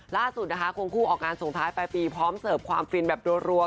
ล่าสุดนะคะควงคู่ออกงานส่งท้ายปลายปีพร้อมเสิร์ฟความฟินแบบรัว